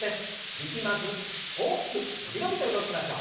力まず大きく伸び伸びと動きましょう。